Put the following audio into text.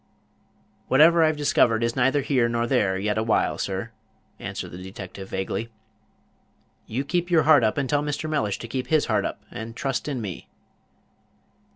"Whatever I've discovered is neither here nor there yet a while, sir," answered the detective, vaguely. "You keep your heart up, and tell Mr. Mellish to keep his heart up, and trust in me."